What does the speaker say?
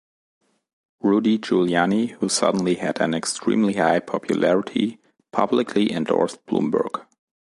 Rudy Giuliani, who suddenly had an extremely high popularity publicly endorsed Bloomberg.